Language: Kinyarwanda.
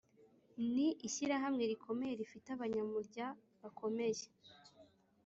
ni ishyirahamwe rikomeye rifite abanyamurya bakomeye